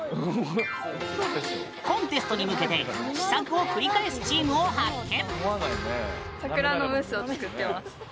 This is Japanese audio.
コンテストに向けて試作を繰り返すチームを発見！